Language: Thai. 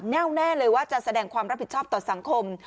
แน่วแน่เลยว่าจะแสดงความรับผิดชอบต่อสังคม